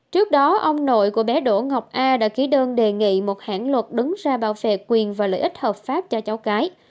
trước đó ông nội của bé đỗ ngọc a đã ký đơn đề nghị một hãng luật đứng ra bảo vệ quyền và lợi ích hợp pháp cho cháu cái